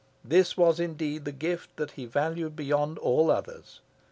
This was indeed the gift he valued beyond all others.